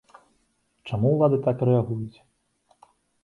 Чаму ўлады так рэагуюць?